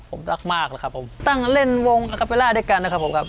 ผมรักมากแล้วครับผมตั้งเล่นวงอาคาเบล่าด้วยกันนะครับผมครับ